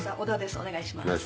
お願いします。